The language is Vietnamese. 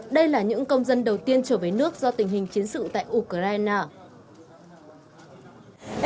đây là những công dân đầu tiên trở về nước do tình hình chiến sự tại ukraine